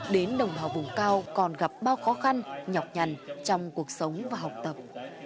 đến đồng bào vùng cao còn gặp bao khó khăn nhọc nhằn trong cuộc sống và học tập